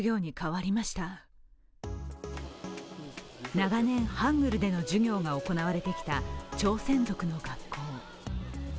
長年、ハングルでの授業が行われてきた朝鮮族の学校。